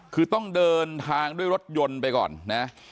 คือต้องเดินทางด้วยรถยนต์ไปก่อนนะ